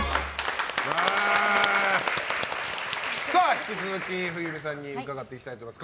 引き続き、冬美さんに伺っていきたいと思います。